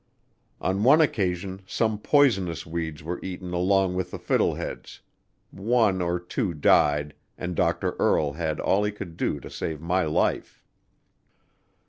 On one occasion some poisonous weeds were eaten along with the fiddle heads; one or two died, and Dr. Earle had all he could do to save my life.